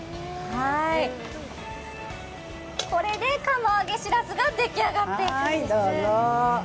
これで釜揚げしらすが出来上がっていきます。